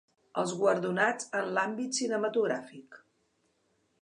Els guardonats en l’àmbit cinematogràfic.